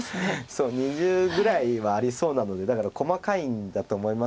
そう２０ぐらいはありそうなのでだから細かいんだと思います